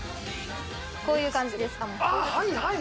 こういう感じです。